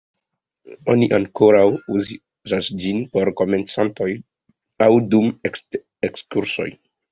Oni ankoraŭ uzas ĝin por komencantoj aŭ dum ekskursoj.